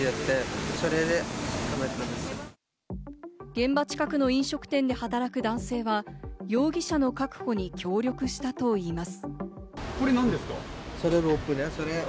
現場近くの飲食店で働く男性は、容疑者の確保に協力したといいます。